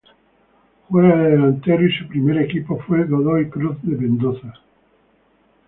Juega de delantero y su primer equipo fue Godoy Cruz de Mendoza.